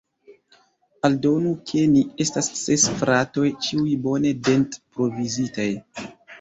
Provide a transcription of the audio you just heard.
Aldonu, ke ni estas ses fratoj, ĉiuj bone dent-provizitaj.